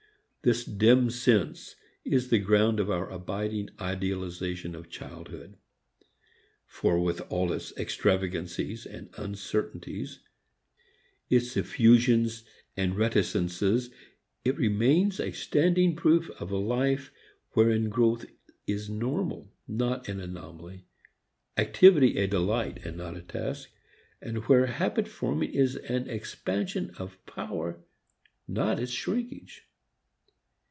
This dim sense is the ground of our abiding idealization of childhood. For with all its extravagancies and uncertainties, its effusions and reticences, it remains a standing proof of a life wherein growth is normal not an anomaly, activity a delight not a task, and where habit forming is an expansion of power not its shrinkage.